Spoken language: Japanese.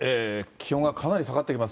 気温がかなり下がってきます。